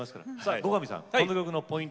後上さん、この曲のポイント